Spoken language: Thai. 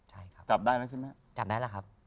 จับได้แล้วใช่ไหมครับจับได้แล้วครับ